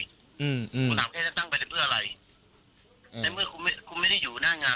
ผมถามแค่จะตั้งประเทศเพื่ออะไรแต่เมื่อคุณไม่ได้อยู่หน้างาน